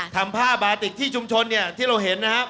ทำผ้าบาติกที่ชุมชนเนี่ยที่เราเห็นนะครับ